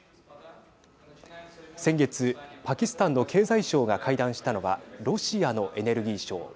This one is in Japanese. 先月パキスタンの経済相が会談したのはロシアのエネルギー相。